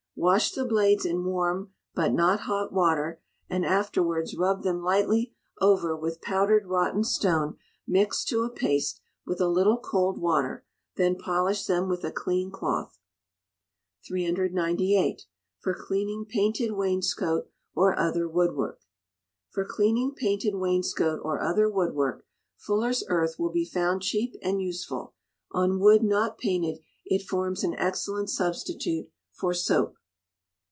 Wash the blades in warm (but not hot) water, and afterwards rub them lightly over with powdered rotten stone mixed to a paste with a little cold water; then polish them with a clean cloth. 398. For Cleaning Painted Wainscot or Other Woodwork, fuller's earth will be found cheap and useful: on wood not painted it forms an excellent substitute for soap.